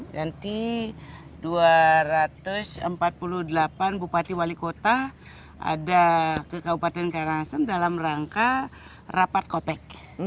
nanti dua ratus empat puluh delapan bupati wali kota ada ke kabupaten karangasem dalam rangka rapat kopec